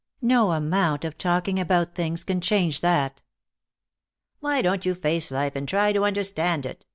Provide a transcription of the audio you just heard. No amount of talking about things can change that." "Why don't you face life and try to understand it?"